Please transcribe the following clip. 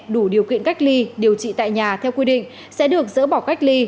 đủ điều kiện cách ly điều trị tại nhà theo quy định sẽ được dỡ bỏ cách ly